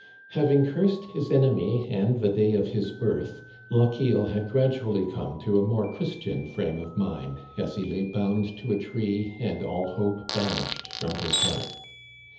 Having cursed his enemy and the day of his birth, Lochiel had gradually come to a more Christ>an frame of mind, as he lay bound to a tree and all hope banished from his heart.